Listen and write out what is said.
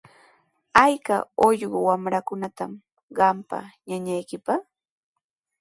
¿Ayka ullqu wamrayuqtaq qampa ñañaykiqa?